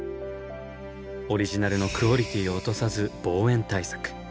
オリジナルのクオリティを落とさず防煙対策。